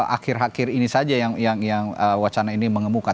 akhir akhir ini saja yang wacana ini mengemuka